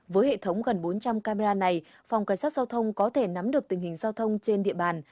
với hệ thống gần bốn trăm linh camera này phòng cảnh sát giao thông có thể nắm được tình hình giao thông trên địa bàn